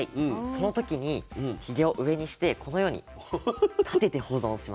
その時にひげを上にしてこのように立てて保存します。